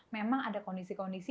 memang ada kondisi kondisi